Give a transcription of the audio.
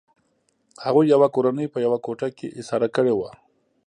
هغوی یوه کورنۍ په یوه کوټه کې ایساره کړې وه